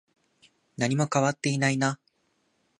何も変わっていないな。